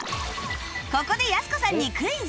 ここでやす子さんにクイズ！